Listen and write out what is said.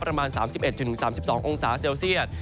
ประมาณ๓๑๓๒องศาเซลเซียต